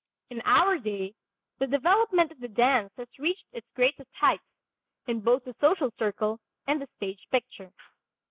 In our day the development of the dance has reached its greatest heights, in both the social circle and the stage picture.